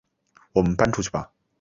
我们搬出去吧